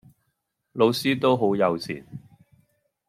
老師都好友善⠀